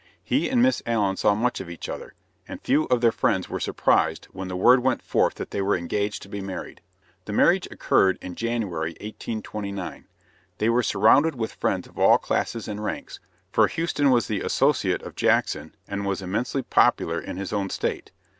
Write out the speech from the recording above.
He and Miss Allen saw much of each other, and few of their friends were surprised when the word went forth that they were engaged to be married. The marriage occurred in January, 1829. They were surrounded with friends of all classes and ranks, for Houston was the associate of Jackson and was immensely popular in his own state.